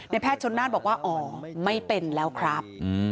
แพทย์ชนนานบอกว่าอ๋อไม่เป็นแล้วครับ